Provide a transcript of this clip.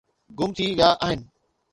گم ٿي ويا آهن